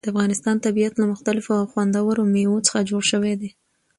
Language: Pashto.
د افغانستان طبیعت له مختلفو او خوندورو مېوو څخه جوړ شوی دی.